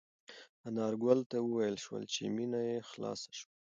انارګل ته وویل شول چې مېنه یې خلاصه شوه.